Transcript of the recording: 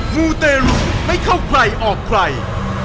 มูเตรุไม่เข้าใครออกใคร